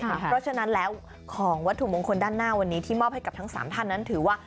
เพราะฉะนั้นแล้วของวัตถุมงคลด้านหน้าวันนี้ที่มอบให้กับทั้ง๓ท่านนั้นถือว่า